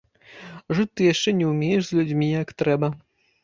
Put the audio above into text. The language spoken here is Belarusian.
Жыць ты яшчэ не ўмееш з людзьмі, як трэба.